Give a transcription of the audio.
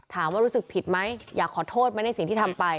รู้สึกผิดไหมอยากขอโทษไหมในสิ่งที่ทำไป